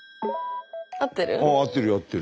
合ってる？